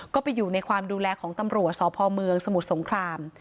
ก็ไปอยู่ในความดูแลของตำรวจสพเมืองสมุทรสงคราม